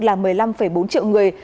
là một mươi năm bốn triệu người